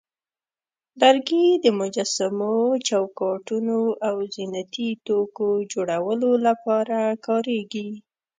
لرګي د مجسمو، چوکاټونو، او زینتي توکو جوړولو لپاره کارېږي.